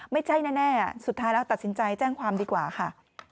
ไม่ใช่แน่สุดท้ายแล้วตัดสินใจแจ้งความดีกว่าค่ะ